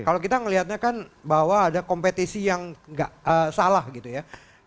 kalau kita melihatnya kan bahwa ada kompetisi yang nggak salah gitu ya